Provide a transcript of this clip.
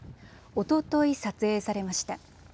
おととい撮影されました。